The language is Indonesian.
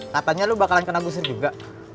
katanya lu bakalan kena gusir juga